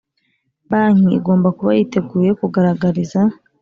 Banki igomba kuba yiteguye kugaragariza